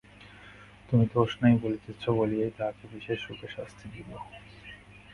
তুমি দোষ নাই বলিতেছ বলিয়াই তাহাকে বিশেষরূপে শাস্তি দিব।